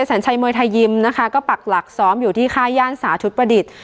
สัญชัยมวยไทยยิมนะคะก็ปักหลักซ้อมอยู่ที่ค่าย่านสาธุประดิษฐ์